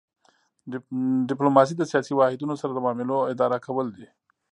ډیپلوماسي د سیاسي واحدونو سره د معاملو اداره کول دي